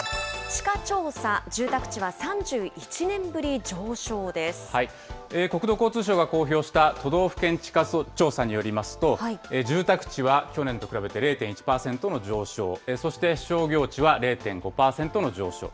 地価調査、住宅地は３１年ぶり上国土交通省が公表した都道府県地価調査によりますと、住宅地は去年と比べて０．１％の上昇、そして商業地は０．５％の上昇。